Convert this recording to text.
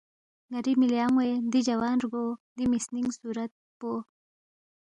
ن٘ری مِلی ان٘وے دی جوان رگو دی مِسنِنگ صُورت پو